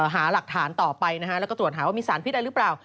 หาหลักฐานต่อไปนะฮะแล้วก็ตรวจหาว่ามีสารพิษอะไรหรือเปล่า